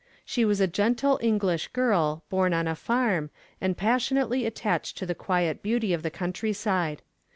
She was a gentle English girl, born on a farm, and passionately attached to the quiet beauty of the countryside.